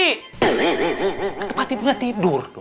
ketempat tidurnya tidur